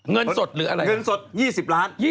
เงินสดหรืออะไรเงินสด๒๐ล้าน